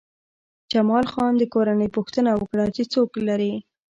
جمال خان د کورنۍ پوښتنه وکړه چې څوک لرې